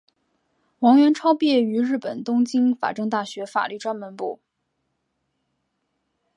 王元超毕业于日本东京法政大学法律专门部。